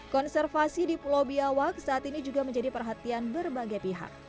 konservasi di pulau biawak saat ini juga menjadi perhatian berbagai pihak